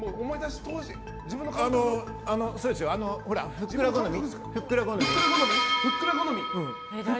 ふっくら好み？